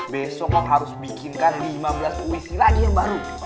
besok harus bikinkan lima belas kuisi lagi yang baru